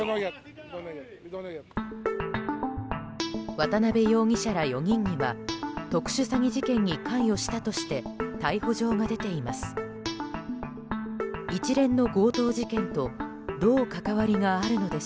渡邉容疑者ら４人には特殊詐欺事件に関与したとして逮捕状が出ています。